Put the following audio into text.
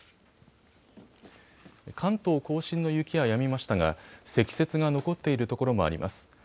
関東甲信の雪はやみましたが積雪が残っているところもあります。